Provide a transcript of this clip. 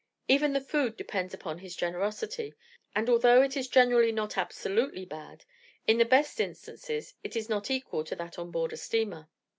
Even the food depends upon his generosity, and although it is generally not absolutely bad, in the best instances, it is not equal to that on board a steamer.